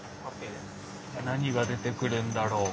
何が出てくるんだろう？